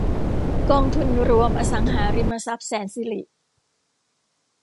กองทุนรวมอสังหาริมทรัพย์แสนสิริ